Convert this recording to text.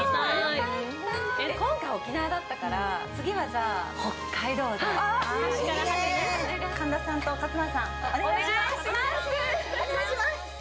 今回沖縄だったから次はじゃあ北海道でいいね！